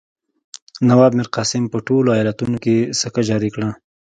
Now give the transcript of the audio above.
نواب میرقاسم په ټولو ایالتونو کې سکه جاري کړه.